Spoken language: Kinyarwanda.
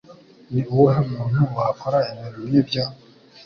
Ni uwuhe muntu wakora ibintu nk'ibyo?